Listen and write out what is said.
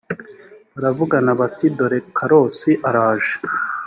baravugana bati “dore karosi araje”